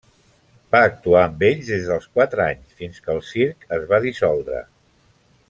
Va actuar amb ells des dels quatre anys, fins que el circ es va dissoldre.